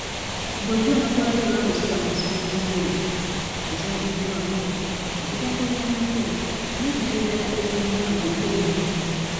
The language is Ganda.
Ng’ojja onokolayo oba ng’osaza ku nsonga enkulu. ezoogeddwako, ebigambo eby’amakulu, n’ebintu ebirala ebiyinza okukuyamba.